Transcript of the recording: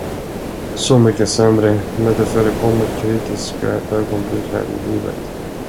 Så mycket sämre, men det förekommer kritiska ögonblick här i livet.